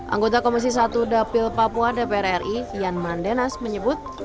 anggota komisi satu dapil papua dpr ri yan mandenas menyebut